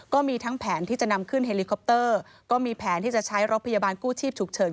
ก็มีทั้งแผนที่จะนำขึ้นเฮลิคอปเตอร์ก็มีแผนที่จะใช้รถพยาบาลกู้ชีพฉุกเฉิน